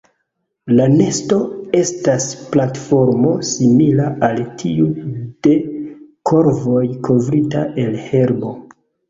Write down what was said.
La nesto estas platformo simila al tiu de korvoj kovrita el herbo.